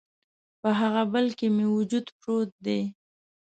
په هغه بل کي مې وجود پروت دی